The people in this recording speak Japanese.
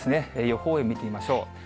予報円見てみましょう。